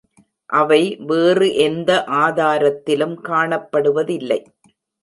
அவை வேறு எந்த ஆதாரத்திலும் காணப்படுவதில்லை.